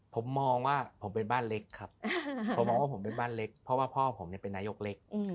ผมมองว่าผมเป็นบ้านเล็กครับผมมองว่าผมเป็นบ้านเล็กเพราะว่าพ่อผมเป็นนายกเล็ก